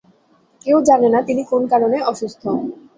কেউ জানে না তিনি কোন কারণে অসুস্থ।